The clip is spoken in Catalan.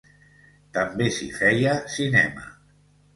També s'hi feia cinema.